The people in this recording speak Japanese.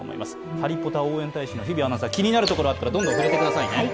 ハリポタ応援大使の日比アナウンサー、気になるところがあったら言ってくださいね。